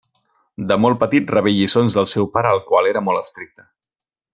De molt petit rebé lliçons del seu pare el qual era molt estricte.